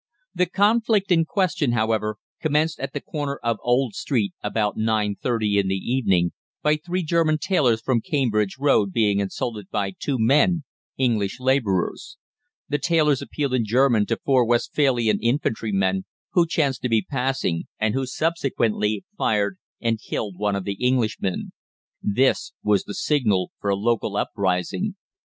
The conflict in question, however, commenced at the corner of Old Street at about 9.30 in the evening, by three German tailors from Cambridge Road being insulted by two men, English labourers. The tailors appealed in German to four Westphalian infantrymen who chanced to be passing, and who subsequently fired and killed one of the Englishmen. This was the signal for a local uprising.